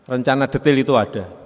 rencana detail itu ada